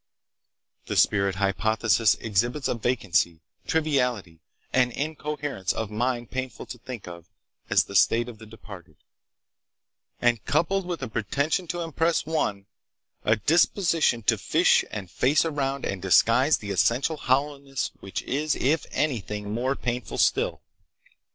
"The spirit hypothesis exhibits a vacancy, triviality, and incoherence of mind painful to think of as the state of the departed, and coupled with a pretension to impress one, a disposition to 'fish' and face around and disguise the essential hollowness which is, if anything, more painful still.